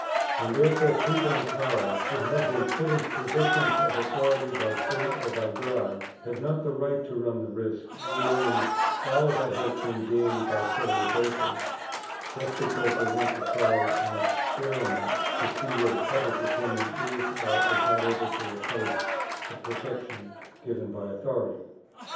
And therefore people in power, who have been put in positions of authority by fate or by God, have not the right to run the risk, ruining all that has been gained by civilization, just because they want to try an experiment to see whether public opinion is or is not able to replace the protection given by authority."